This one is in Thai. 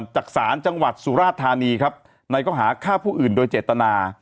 จากศาลจังหวัดสุราธานีครับในข้อหาฆ่าผู้อื่นโดยเจตนา